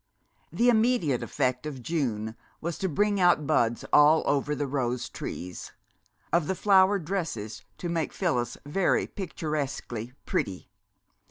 The immediate effect of June was to bring out buds all over the rose trees; of the flowered dresses, to make Phyllis very picturesquely pretty.